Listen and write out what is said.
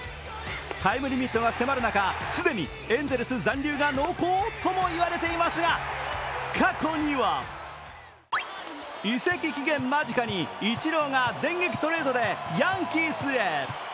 タイムリミットが迫る中既にエンゼルス残留が濃厚とも言われていますが過去には、移籍期限間近にイチローが電撃トレードでヤンキースへ。